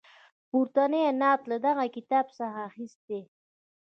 پورتنی نعت له دغه کتاب څخه اخیستی.